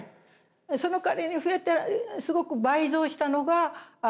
そのかわりに増えたすごく倍増したのが一人暮らし。